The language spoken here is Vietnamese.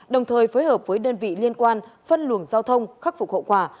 đồng thời phối hợp với đơn vị liên quan phân luồng giao thông khắc phục hậu quả